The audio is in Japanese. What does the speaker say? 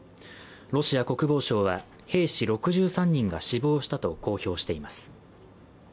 ロシア国防省は兵士６３人が死亡したと公表しています。